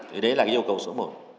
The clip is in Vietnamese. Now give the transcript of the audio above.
thì đấy là yêu cầu số một